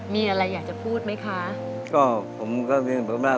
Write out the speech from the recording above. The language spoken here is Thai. มีอะไรอยากจะพูดไหมคะ